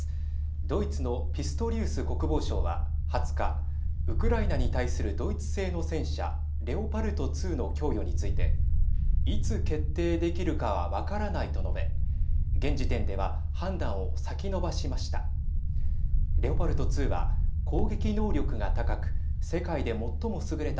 ドイツのピストリウス国防相は２０日、ウクライナに対するドイツ製の戦車レオパルト２の供与についていつ決定できるかは分からないと述べ現時点では判断を先延ばしました。